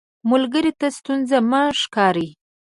ملګری ته ستونزه مه ښکاري